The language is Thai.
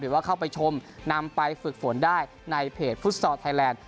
หรือว่าเข้าไปชมนำไปฝึกฝนได้ในเพจฟุตซอลไทยแลนด